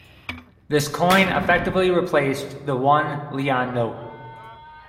This coin effectively replaced the one leone note.